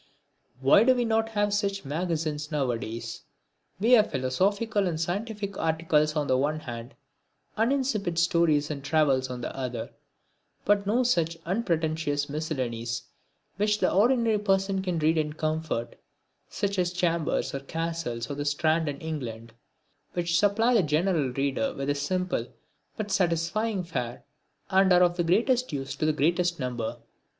Why do we not have such magazines now a days? We have philosophical and scientific articles on the one hand, and insipid stories and travels on the other, but no such unpretentious miscellanies which the ordinary person can read in comfort such as Chambers's or Cassell's or the Strand in England which supply the general reader with a simple, but satisfying fare and are of the greatest use to the greatest number.